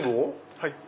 はい。